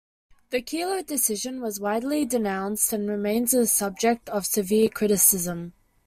The "Kelo" decision was widely denounced and remains the subject of severe criticism.